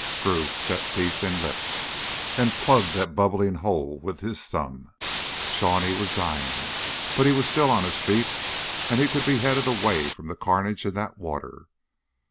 Drew set teeth in lip, and plugged that bubbling hole with his thumb. Shawnee was dying, but he was still on his feet, and he could be headed away from the carnage in that water.